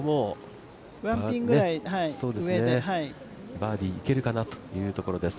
バーディーいけるかなというところです